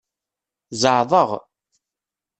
Zeɛḍeɣ.